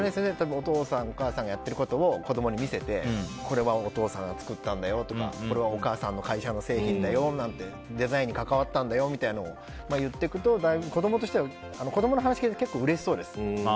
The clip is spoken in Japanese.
お父さん、お母さんがやっていることを子供に見せてこれはお父さんが作ったんだよとかこれはお母さんの会社の製品だよデザインに関わったんだよみたいなことを言っていくとだいぶ子供としては子供の話聞いてると結構うれしそうです。